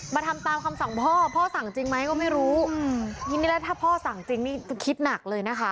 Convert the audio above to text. ทำตามคำสั่งพ่อพ่อสั่งจริงไหมก็ไม่รู้ทีนี้แล้วถ้าพ่อสั่งจริงนี่คิดหนักเลยนะคะ